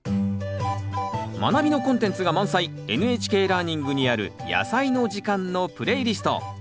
「まなび」のコンテンツが満載「ＮＨＫラーニング」にある「やさいの時間」のプレイリスト。